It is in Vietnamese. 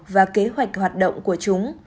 và kế hoạch hoạt động của chúng